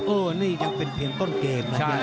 นี่ยังเป็นเพียงต้นเกมนะ